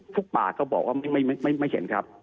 ป่าก็บอกว่าไม่เห็นครับ